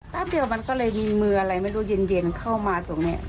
แป๊บเดียวมันก็เลยมีมืออะไรไม่รู้เย็นเข้ามาตรงนี้